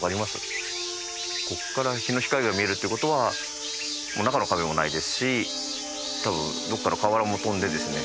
ここから陽の光が見えるっていう事はもう中の壁もないですし多分どこかの瓦も飛んでですね